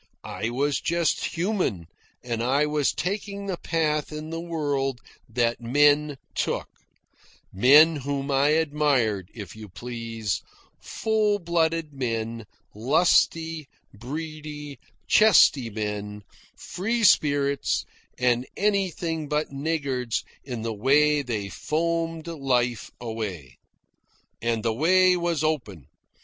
I was just human, and I was taking the path in the world that men took men whom I admired, if you please; full blooded men, lusty, breedy, chesty men, free spirits and anything but niggards in the way they foamed life away. And the way was open.